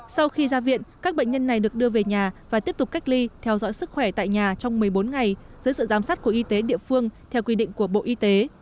sau khi ra viện các bệnh nhân này được đưa về nhà và tiếp tục cách ly theo dõi sức khỏe tại nhà trong một mươi bốn ngày dưới sự giám sát của y tế địa phương theo quy định của bộ y tế